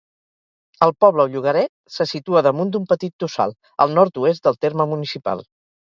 El poble o llogaret se situa damunt d'un petit tossal, al nord-oest del terme municipal.